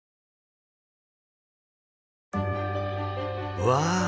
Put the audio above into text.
うわ！